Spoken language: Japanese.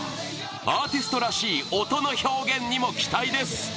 アーティストらしい音の表現にも期待です。